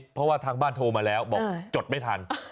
เพราะว่าทางบ้านโทรมาแล้วบอกจดไม่ทัน